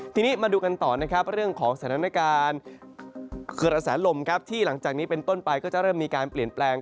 ทีนี้มาดูกันต่อนะครับเรื่องของสถานการณ์กระแสลมครับที่หลังจากนี้เป็นต้นไปก็จะเริ่มมีการเปลี่ยนแปลง